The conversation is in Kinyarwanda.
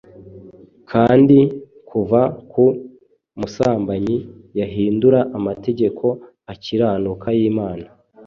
Kandi kuva ku musambanyi yahindura amategeko akiranuka y'Imana,